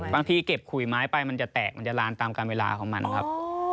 เก็บขุยไม้ไปมันจะแตกมันจะลานตามการเวลาของมันครับ